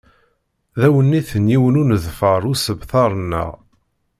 D awennit n yiwen uneḍfar usebter-nneɣ.